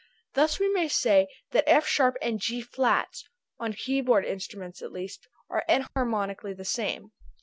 Thus we may say that F sharp and G flat (on keyboard instruments at least) are enharmonically the same.